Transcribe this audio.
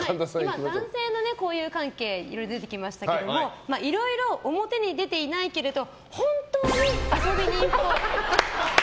今、男性の交友関係が出てきましたけどいろいろ表に出ていないけれど本当に遊び人っぽい。